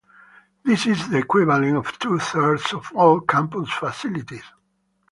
This is the equivalent of two-thirds of all campus facilities.